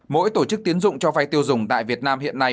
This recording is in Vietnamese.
mỗi tổ chức tiến dụng cho vay tiêu dùng tại việt nam hiện nay